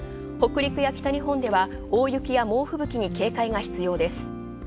北陸や北日本では大雪や大吹雪に警戒が必要です。